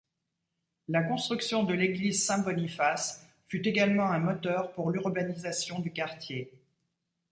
La construction de l'Église Saint-Boniface fut également un moteur pour l'urbanisation du quartier.